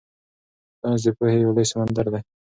ساینس د پوهې یو لوی سمندر دی.